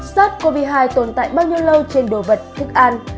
sars cov hai tồn tại bao nhiêu lâu trên đồ vật thức an